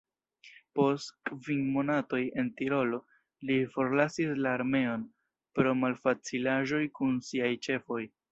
Post kvin monatoj en Tirolo li forlasis la armeon, pro malfacilaĵoj kun siaj ĉefoj.